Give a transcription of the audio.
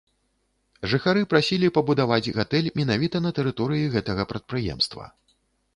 Жыхары прасілі пабудаваць гатэль менавіта на тэрыторыі гэтага прадпрыемства.